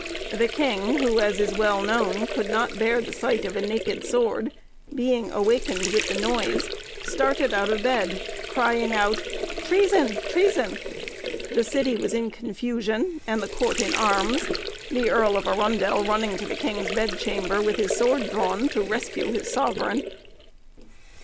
The king, who, as is well known, could not bear the sight of a naked sword, being awakened with the noise, started out of bed, crying out, "Treason! treason!" The city was in confusion, and the court in arms, the Earl of Arundel running to the king's bed chamber, with his sword drawn, to rescue his sovereign.